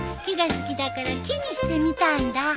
木が好きだから木にしてみたんだ。